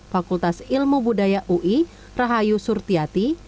fakultas ilmu budaya ui rahayu surtiati